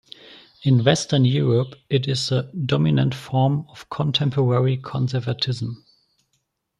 In Western Europe it is the dominant form of contemporary conservatism.